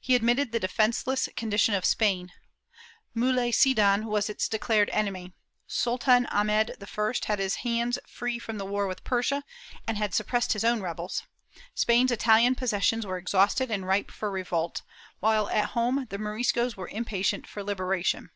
He admitted the defenceless condition of Spain; Muley Cidan was its declared enemy; Sultan Ahmed I had his hands free from the war with Persia and had suppressed his own rebels; Spain's Italian possessions were exhausted and ripe for revolt, while at home the Moriscos were impatient for liberation.